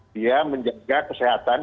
dia menjaga kesehatan